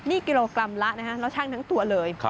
นี่กิโลกรัมละนะฮะแล้วช่างทั้งตัวเลย